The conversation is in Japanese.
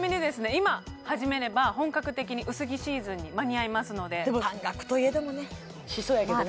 今始めれば本格的に薄着シーズンに間に合いますのででも半額といえどもねしそうやけどね